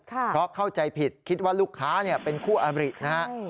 เพราะเข้าใจผิดคิดว่าลูกค้าเป็นคู่อบรินะฮะ